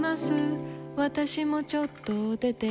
私もちょっと出ています。